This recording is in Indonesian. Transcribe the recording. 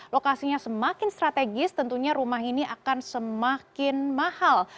lokasinya semakin strategis tentunya rumah ini akan semakin mahal